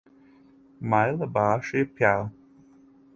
买了巴士票